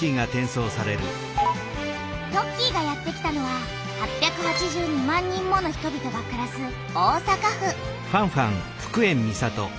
トッキーがやってきたのは８８２万人もの人々がくらす大阪府。